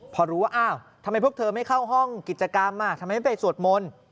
พอรู้ว่าอ้าวทำไมพวกเธอไม่เข้าห้องกิจกรรมทำไมไม่ไปสวดมนต์